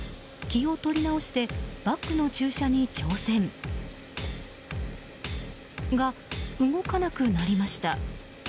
気を取り直してバックの駐車に挑戦。が、動かなくなりました。